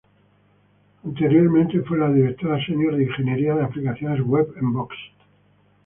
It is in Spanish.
Anteriormente, fue la directora senior de Ingeniería de Aplicaciones Web en Box.